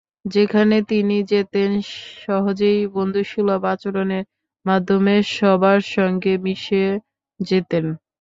যেখানে তিনি যেতেন, সহজেই বন্ধুসুলভ আচরণের মাধ্যমে সবার সঙ্গে মিশে যেতেন।